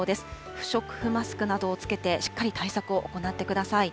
不織布マスクなどを着けて、しっかり対策を行ってください。